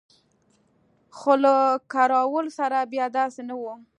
خو له کراول سره بیا داسې نه وو.